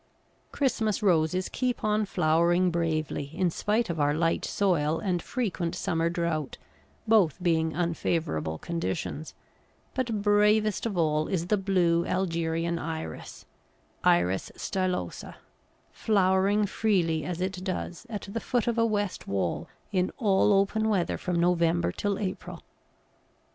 Christmas Roses keep on flowering bravely, in spite of our light soil and frequent summer drought, both being unfavourable conditions; but bravest of all is the blue Algerian Iris (Iris stylosa), flowering freely as it does, at the foot of a west wall, in all open weather from November till April.